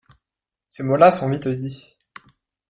Ces mots-là sont vite dits.